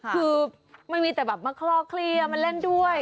คือมันมีแต่แบบมาคลอเคลียร์มาเล่นด้วย